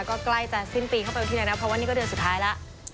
ก็ใกล้จะสิ้นปีเข้าไปวันที่แล้วนะเพราะว่านี่ก็เดือนสุดท้ายแล้ว